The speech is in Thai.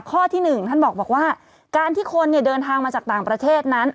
ข้อที่๑ท่านบอกว่าการที่คนเดินทางมาจากต่างประเทศนั้น